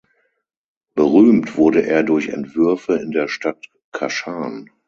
Berühmt wurde er durch Entwürfe in der Stadt Kaschan.